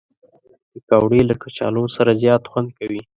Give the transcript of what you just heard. پکورې له کچالو سره زیات خوند کوي